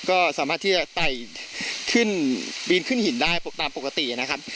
ก็สามารถที่จะไต่ขึ้นปีนขึ้นหินได้ตามปกตินะครับ